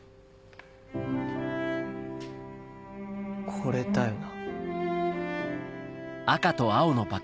これだよな。